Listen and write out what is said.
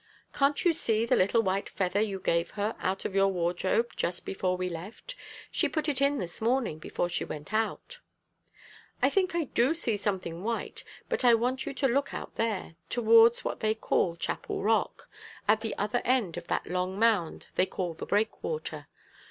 "Can't you see the little white feather you gave her out of your wardrobe just before we left? She put it in this morning before she went out." "I think I do see something white. But I want you to look out there, towards what they call the Chapel Rock, at the other end of that long mound they call the breakwater.